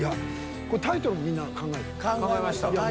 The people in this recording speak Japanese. タイトルもみんな考えた？